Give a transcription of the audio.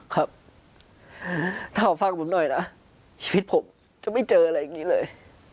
ครับถ้าเอาฟังผมหน่อยนะชีวิตผมจะไม่เจออะไรอย่างนี้เลย